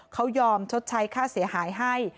เขายอมชดใช้ค่าเสียหายให้